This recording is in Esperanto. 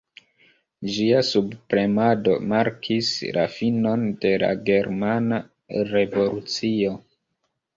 Ĝia subpremado markis la finon de la Germana Revolucio.